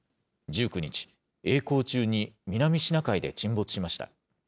１９日、えい航中に南シナ海で沈没しました。